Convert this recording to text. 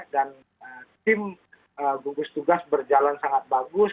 dan tim gugus tugas berjalan sangat bagus